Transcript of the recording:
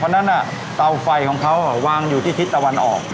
เพราะฉะนั้นเตาไฟของเขาวางอยู่ที่ทิศตะวันออก